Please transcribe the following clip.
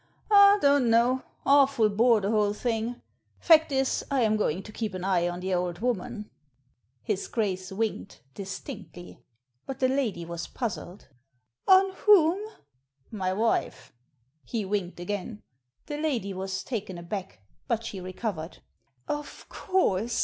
" Don't know. Awful bore, the whole thing. Fact is, I'm going to keep an eye on the old woman.'* His Grace winked— distinctly ; but the lady was puzzled Digitized by VjOO^IC THE DUKE 303 *' On whom?" •* My wife." He winked again. The lady was taken aback; but she recovered. Of course.